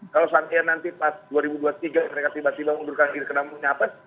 kalau nanti pas dua ribu dua puluh tiga mereka tiba tiba mundurkan kiri karena mau nyapres